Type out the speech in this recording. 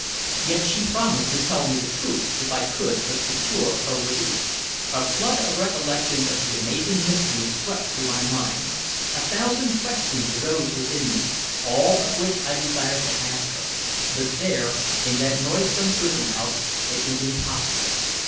Yet she promised to tell me the truth if I could but secure her release! A flood of recollections of the amazing mystery swept through my mind. A thousand questions arose within me, all of which I desired to ask her, but there, in that noisome prison house, it was impossible.